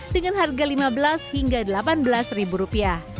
dengan harga lima belas hingga delapan belas ribu rupiah